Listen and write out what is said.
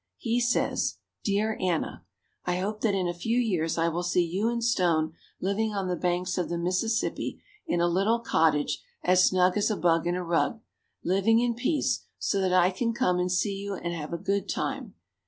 He says: Dear Anna, I hope that in a few years I will see you and Stone living on the banks of the Mississippi, in a little cottage, as snug as a bug in a rug, living in peace, so that I can come and see you and have a good time.